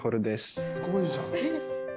すごいじゃん！